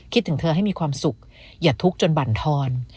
ถึงเธอให้มีความสุขอย่าทุกข์จนบั่นทอน